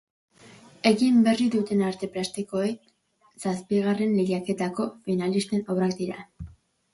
Egin berri duten arte plastikoen zazpigarren lehiaketako finalisten obrak dira.